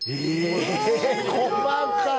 え細かい！